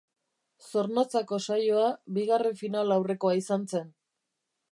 Zornotzako saioa bigarren finalaurrekoa izan zen.